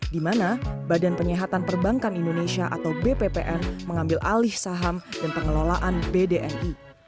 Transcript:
di mana badan penyihatan perbankan indonesia atau bppn mengambil alih saham dan pengelolaan bdni